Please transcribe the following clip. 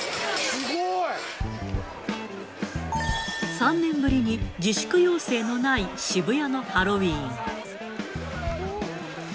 すごい。３年ぶりに、自粛要請のない渋谷のハロウィーン。